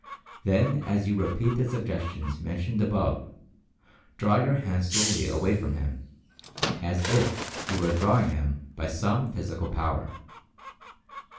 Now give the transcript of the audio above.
Then as you repeat the sug gestions mentioned above, draw your hands slowly away from him, as if you were "drawing" him by some physical power.